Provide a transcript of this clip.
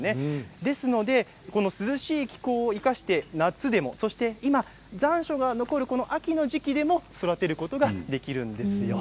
ですので涼しい気候を生かして夏でもそして今残暑が残る秋の時期でも育てることができるんです。